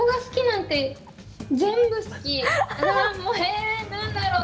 ええ、何だろう？